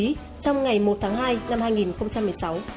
trong ngày một tháng hai năm hai nghìn một mươi sáu